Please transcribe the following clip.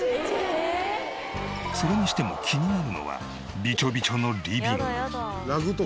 それにしても気になるのはびちょびちょのリビング。